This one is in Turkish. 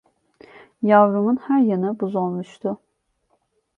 Yavrumun her yanı buz olmuştu.